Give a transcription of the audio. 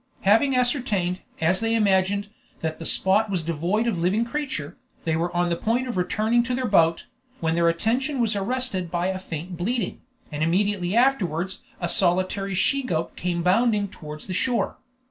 Having ascertained, as they imagined, that the spot was devoid of living creature, they were on the point of returning to their boat, when their attention was arrested by a faint bleating, and immediately afterwards a solitary she goat came bounding towards the shore.